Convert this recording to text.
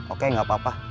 oke gak apa apa